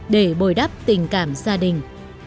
để bồi đắp tình cảm gia đình